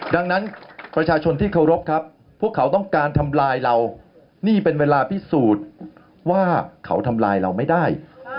ดังนั้นประชาชนที่เคารพครับพวกเขาต้องการทำลายเรานี่เป็นเวลาพิสูจน์ว่าเขาทำลายเราไม่ได้